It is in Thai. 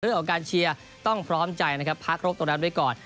เรื่องของการเชียร์ต้องพร้อมใจนะครับพักรบตรงนั้นไว้ก่อน